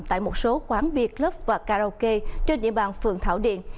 tại một số quán biệt lớp và karaoke trên địa bàn phường thảo điện